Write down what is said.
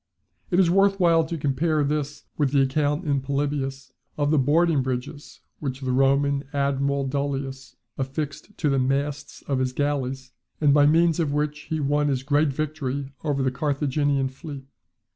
It is worth while to compare this with the account in Polybius of the boarding bridges which the Roman admiral Dullius, affixed to the masts of his galleys and by means of which he won his great victory over the Carthaginian fleet.